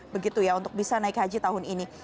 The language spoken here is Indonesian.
begitu ya untuk bisa naik haji tahun ini